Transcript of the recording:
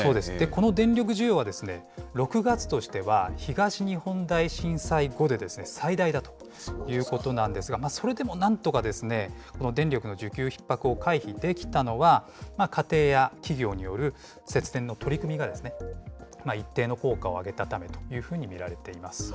この電力需要は６月としては東日本大震災後で最大だということなんですが、それでもなんとか、この電力の需給ひっ迫を回避できたのは、家庭や企業による節電の取り組みが、一定の効果を上げたためというふうに見られています。